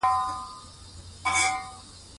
ستونزې شته خو حل لري.